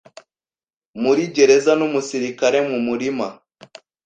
muri gereza numusirikare mumurima